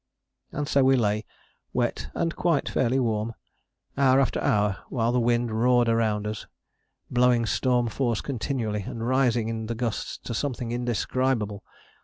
And so we lay, wet and quite fairly warm, hour after hour while the wind roared round us, blowing storm force continually and rising in the gusts to something indescribable.